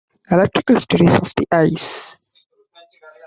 Electrical studies of the eyes.